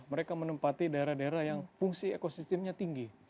mereka menempati daerah daerah yang fungsi ekosistemnya tinggi